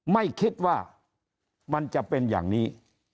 ไม่คิดว่ามันจะเป็นอย่างนี้